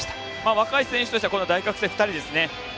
若い選手は大学生２人ですね。